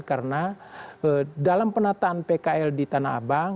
karena dalam penataan pkl di tanah abang